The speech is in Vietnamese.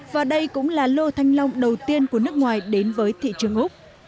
và đây cũng là lô thanh long đầu tiên của nước ngoài đến với thị trường úc